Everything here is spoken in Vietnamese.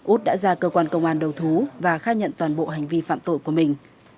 út đã ra cơ quan công an đầu thú và khai nhận toàn bộ hành vi phạm tội của mình